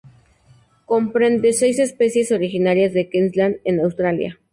Comprende seis especies originarias de Queensland en Australia.